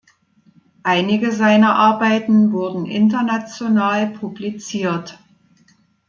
Einige seiner Arbeiten wurden international publiziert.